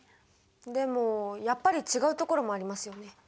でもやっぱり違うところもありますよね。